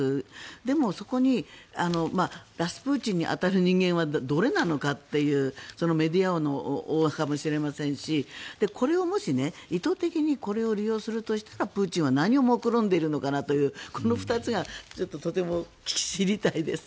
でも、そこにラスプーチンに当たる人間は誰なのかというメディア王の人かもしれませんしこれをもし意図的にこれを利用するとしたらプーチンは何をもくろんでいるのかなというこの２つがとても知りたいです。